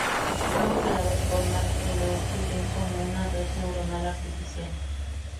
Fueron creados por Mark W. Tilden, como una Red Neuronal Artificial.